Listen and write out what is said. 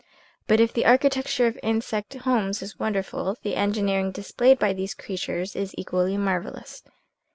But if the architecture of insect homes is wonderful, the engineering displayed by these creatures is equally marvellous.